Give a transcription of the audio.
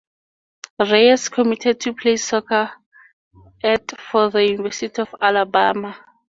Reyes committed to play soccer at for the University of Alabama.